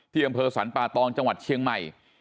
อำเภอสรรป่าตองจังหวัดเชียงใหม่